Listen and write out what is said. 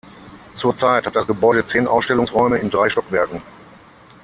Zurzeit hat das Gebäude zehn Ausstellungsräume in drei Stockwerken.